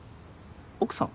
奥さん？